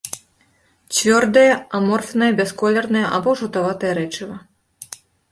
Цвёрдае аморфнае бясколернае або жаўтаватае рэчыва.